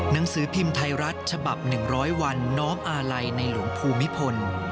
หนังสือพิมพ์ไทยรัฐฉบับ๑๐๐วันน้อมอาลัยในหลวงภูมิพล